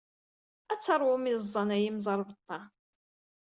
Ad teṛwum iẓẓan a imẓerbeḍḍa.